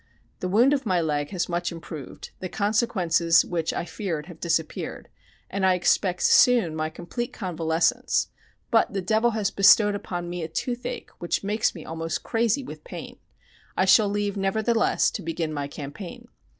The wound of my leg has much improved, the consequences which I feared have disappeared, and I expect soon my complete convalescence, but the devil has bestowed upon me a toothache, which makes me almost crazy with pain. I shall leave, nevertheless, to begin my campaign.